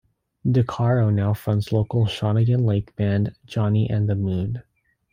DeCaro now fronts local Shawnigan Lake band Johnny and the Moon.